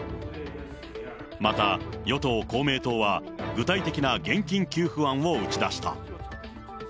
また、与党・公明党は、具体的な現金給付案を打ち出した。